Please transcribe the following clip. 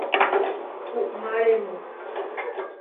Uʼmáremu.